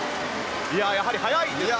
やはり速いですね。